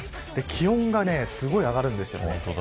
気温がすごい上がるんです。